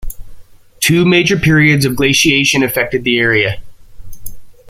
Two major periods of glaciation affected the area.